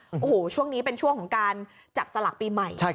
โอ้โหช่วงนี้เป็นช่วงของการจับสลากปีใหม่